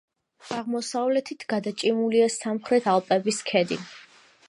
აღმოსავლეთით გადაჭიმულია სამხრეთ ალპების ქედი.